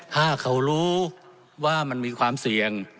ถ้าเขารู้ว่ามันมีความเสี่ยง